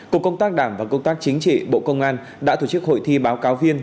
cục công tác đảng và công tác chính trị bộ công an đã tổ chức hội thi báo cáo viên